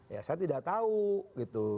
ya saya tidak tahu gitu